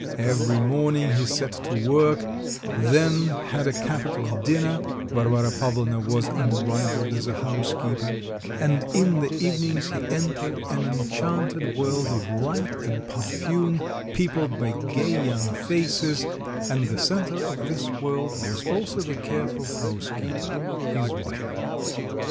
Every morning he set to work, then had a capital dinner (Varvara Pavlovna was unrivaled as a housekeeper), and in the evenings he entered an enchanted world of light and perfume, peopled by gay young faces, and the centre of this world was also the careful housekeeper, his wife.